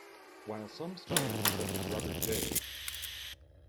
While some scholars, such as Robert J.